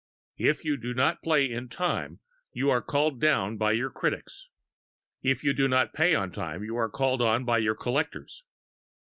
If you do not play in time, you are called down by your critics; if you do not pay on time, you are called on by your collectors.